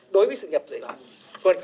đối với sự nhập giới bản